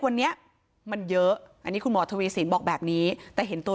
วันนี้มันเยอะอันนี้คุณหมอทวีสินบอกแบบนี้แต่เห็นตัว